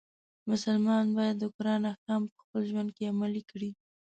مسلمان باید د قرآن احکام په خپل ژوند کې عملی کړي.